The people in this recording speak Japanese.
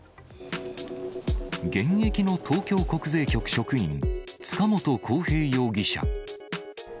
現役の東京国税局職員、塚本晃平